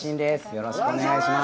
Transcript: よろしくお願いします。